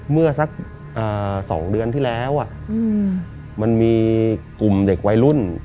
เมื่อสัก๒เดือนที่แล้วมันมีกลุ่มเด็กวัยรุ่น